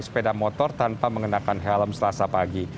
sepeda motor tanpa mengenakan helm selasa pagi